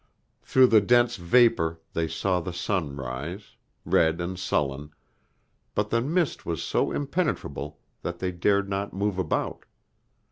Through the dense vapor they saw the sun rise, red and sullen, but the mist was so impenetrable that they dared not move about.